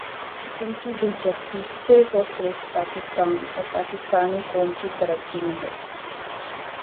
جن کی دلچسپی صرف اور صرف پاکستان اور پاکستانی قوم کی ترقی میں ہو ۔